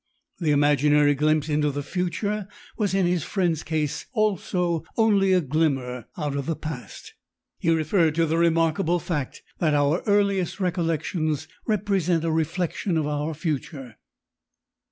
The imaginary glimpse into the future was in his friend's case also only a glimmer out of the past. He referred to the remarkable fact that our earliest recollections represent a reflection of our future....